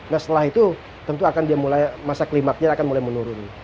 nah setelah itu tentu akan dia mulai masa klimaknya akan mulai menurun